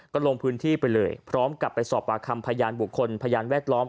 ก็ลงพื้นที่ไปเลยพร้อมกับไปสอบปากคำพยานบุคคลพยานแวดล้อม